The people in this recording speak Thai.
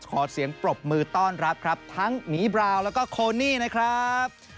ขอเสียงปรบมือต้อนรับครับทั้งหมีบราวแล้วก็โคนี่นะครับ